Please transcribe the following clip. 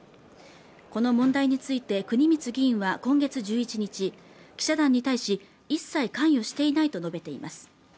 この問題について国光議員は今月１１日、記者団に対し、一切関与していないと述べています。